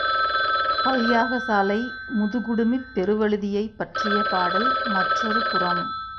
பல் யாகசாலை முதுகுடுமிப் பெருவழுதியைப் பற்றிய பாடல் மற்றொரு புறம்.